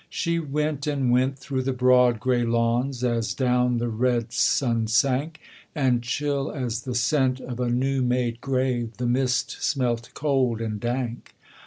She went and went through the broad gray lawns As down the red sun sank, And chill as the scent of a new made grave The mist smelt cold and dank.